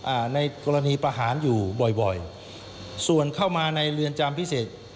อ่าในกรณีประหารอยู่บ่อยบ่อยส่วนเข้ามาในเรือนจำพิเศษ